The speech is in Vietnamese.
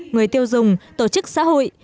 người tiêu dùng tổ chức xã hội